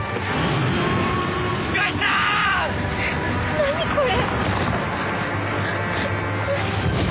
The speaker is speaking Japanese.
何これ！